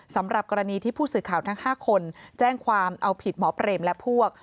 สำหรับกรณีที่ผู้สื่อข่าวทั้ง๕คนแจ้งความเอาผิดหมอเปรมและพวก